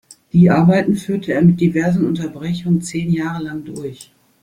Die Arbeiten führte er mit diversen Unterbrechungen zehn Jahre lang durch.